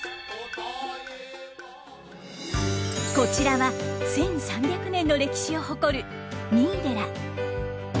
こちらは１，３００年の歴史を誇る三井寺。